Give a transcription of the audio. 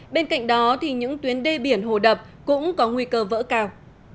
bên cạnh đó những tuyến đê biển hồ đập cũng có nguy cơ vỡ cao